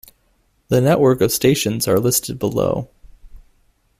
The network of stations are listed below.